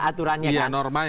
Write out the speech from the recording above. ya norma yang diikuti normanya